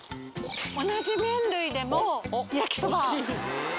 同じ麺類でも焼きそば。